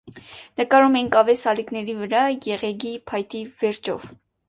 Նկարում էին կավե սալիկների վրա, եղեգի փայտի վերջով։